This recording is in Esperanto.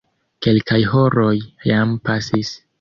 Kelkaj horoj jam pasis.